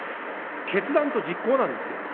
決断と実行なんですよ。